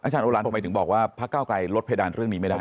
อาจารย์โอรันผมไปถึงบอกว่าพระเก้ากลายลดเพดานเรื่องนี้ไม่ได้